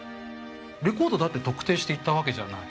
レコードだって特定して言った訳じゃない。